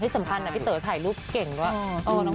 สำคัญพี่เต๋อถ่ายรูปเก่งก็